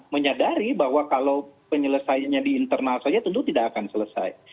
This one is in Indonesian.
menyadari bahwa kalau penyelesaiannya di internal saja tentu tidak akan selesai